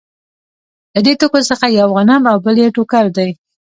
له دې توکو څخه یو غنم او بل یې ټوکر دی